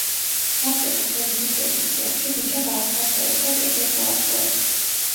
საბჭოთა ხელისუფლების წლებში ქუჩა გააფართოვეს და კეთილმოაწყვეს.